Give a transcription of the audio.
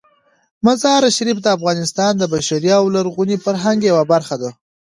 مزارشریف د افغانستان د بشري او لرغوني فرهنګ یوه برخه ده.